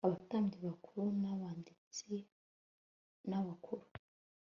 abatambyi bakuru n abanditsi n abakuru